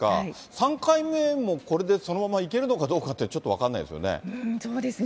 ３回目もこれでそのままいけるのかどうかって、ちょっと分かんなそうですね。